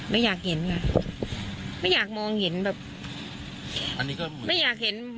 ไม่อยากเห็นไม่อยากมองเห็นแบบไม่อยากเห็น